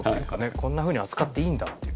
こんなふうに扱っていいんだっていう。